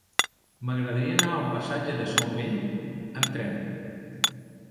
M'agradaria anar al passatge de Saumell amb tren.